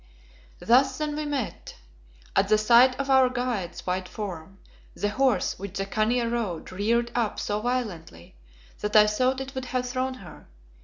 Thus then we met. At the sight of our guide's white form, the horse which the Khania rode reared up so violently that I thought it would have thrown her.